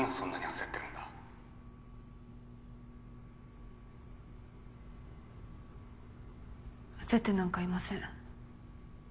焦ってなんかいません。